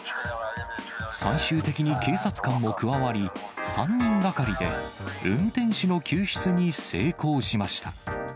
最終的に警察官も加わり、３人がかりで運転手の救出に成功しました。